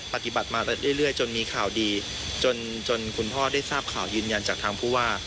ปฏิบัติมาเรื่อยจนมีข่าวดีจนคุณพ่อได้ทราบข่าวยืนยันจากทางผู้ว่า